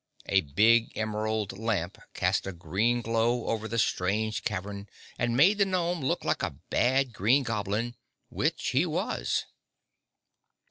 A big emerald lamp cast a green glow over the strange cavern and made the gnome look like a bad green goblin, which he was.